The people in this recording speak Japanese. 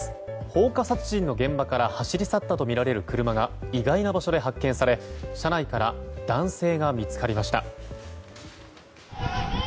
放火殺人の現場から走り去ったとみられる車が意外な場所で発見され車内から男性が見つかりました。